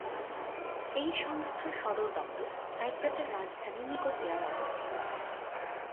এই সংস্থার সদর দপ্তর সাইপ্রাসের রাজধানী নিকোসিয়ায় অবস্থিত।